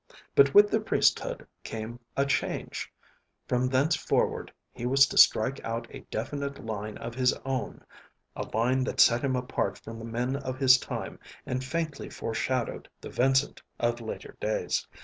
But with the priesthood came a change. From thenceforward he was to strike out a definite line of his own a line that set him apart from the men of his time and faintly foreshadowed the Vincent of later days.